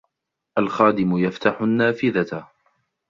الْخَادِمُ يَفْتَحُ النَّافِذَةَ.